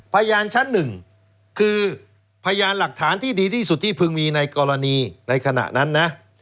พยานชั้นหนึ่งคือพยานหลักฐานที่ดีที่สุดที่พึงมีในกรณีในขณะนั้นนะ